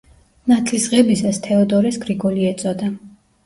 ნათლისღებისას თეოდორეს გრიგოლი ეწოდა.